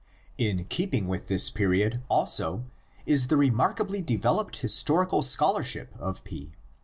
In keeping with this period also is the remarkably developed historical scholarship of P.